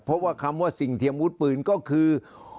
เพราะว่าคำว่าสิ่งเทียมอาวุธปืนก็คือ